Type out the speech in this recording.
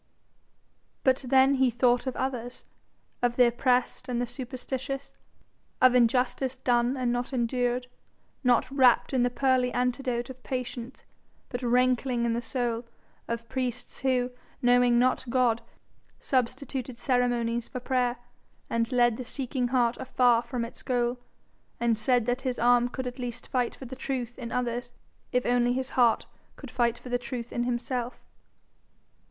But then he thought of others of the oppressed and the superstitious, of injustice done and not endured not wrapt in the pearly antidote of patience, but rankling in the soul; of priests who, knowing not God, substituted ceremonies for prayer, and led the seeking heart afar from its goal and said that his arm could at least fight for the truth in others, if only his heart could fight for the truth in himself.